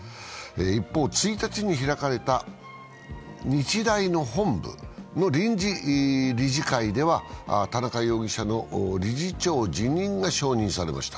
一方、１日に開かれた日大の本部の臨時理事会では田中容疑者の理事長辞任が承認されました。